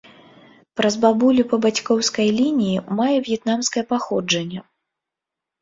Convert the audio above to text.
Праз бабулю па бацькоўскай лініі мае в'етнамскае паходжанне.